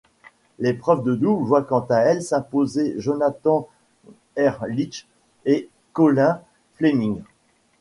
L'épreuve de double voit quant à elle s'imposer Jonathan Erlich et Colin Fleming.